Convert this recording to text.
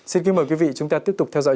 xin kính mời quý vị chúng ta tiếp tục theo dõi